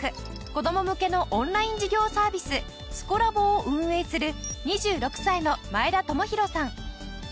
子ども向けのオンライン授業サービススコラボを運営する２６歳の前田智大さん。